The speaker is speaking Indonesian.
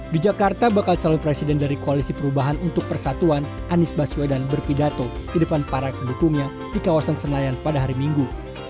di jakarta bakal calon presiden dari koalisi perubahan untuk persatuan anies baswedan berpidato di depan para pendukungnya di kawasan senayan pada hari minggu